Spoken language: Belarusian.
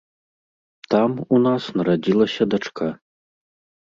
Там у нас нарадзілася дачка.